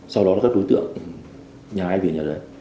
sau đó là các đối tượng nhà ai về nhà rời